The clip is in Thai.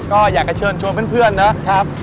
ก็อยากจะเชิญชวนเพื่อนนะครับ